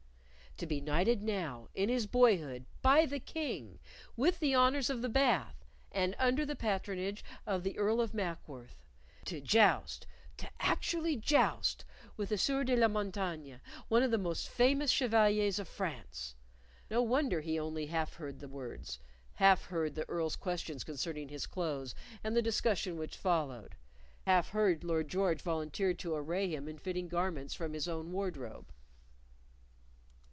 To be knighted now, in his boyhood, by the King, with the honors of the Bath, and under the patronage of the Earl of Mackworth; to joust to actually joust with the Sieur de la Montaigne, one of the most famous chevaliers of France! No wonder he only half heard the words; half heard the Earl's questions concerning his clothes and the discussion which followed; half heard Lord George volunteer to array him in fitting garments from his own wardrobe.